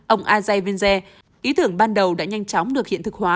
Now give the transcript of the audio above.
ông ajay vinze ý tưởng ban đầu đã nhanh chóng được hiện thực hóa